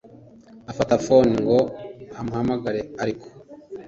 afata phone ngo amuhamagare ariko